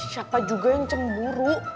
siapa juga yang cemburu